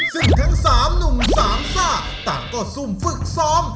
ซึ่งทั้ง๓หนุ่มสามซ่าต่างก็ซุ่มฝึกซ้อม